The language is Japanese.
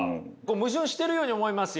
矛盾してるように思いますよね。